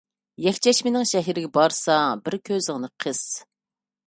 يەكچەشمىنىڭ شەھىرىگە بارساڭ بىر كۆزۈڭنى قىس.